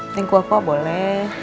yang kuah kuah boleh